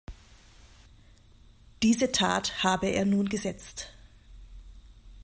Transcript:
Diese Tat habe er nun gesetzt.